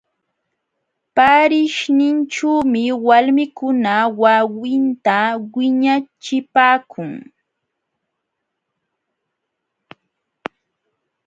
Paarishninćhuumi walmikuna wawinta wiñachipaakun.